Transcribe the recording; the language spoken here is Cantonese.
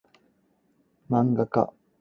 夜泊秦淮近酒家